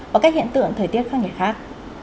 và các hiện tượng thời tiết khác ngày khác